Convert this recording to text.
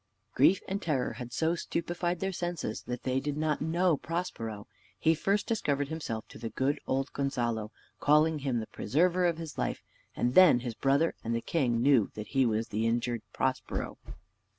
Grief and terror had so stupefied their senses, that they did not know Prospero. He first discovered himself to the good old Gonzalo, calling him the preserver of his life; and then his brother and the king knew that he was the injured Prospero.